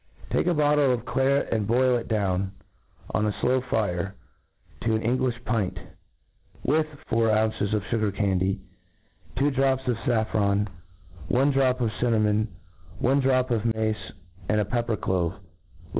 Take a bottle of claret, and boil it down, on a flow fire, to an Englifli pint, with four ounces of fugar candy, two drops of faflfron, one drop of cinnamon, one drop of mace, and a pepper clove* Let thi?